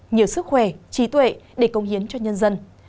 nhiều sức khỏe trí tuệ để công hiến cho nhân dân